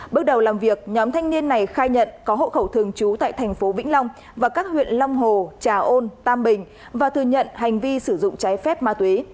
bước đầu làm việc nhóm thanh niên này khai nhận có hộ khẩu thường trú tại thành phố vĩnh long và các huyện long hồ trà ôn tam bình và thừa nhận hành vi sử dụng trái phép ma túy